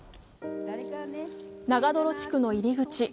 長泥地区の入り口。